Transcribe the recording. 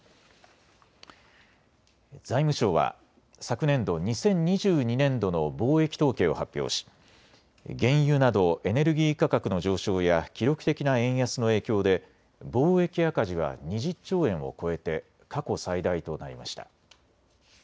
財務省は昨年度２０２２年度の貿易統計を発表し原油などエネルギー価格の上昇や記録的な円安の影響で貿易赤字は２０兆円を超えて過去最大となりました。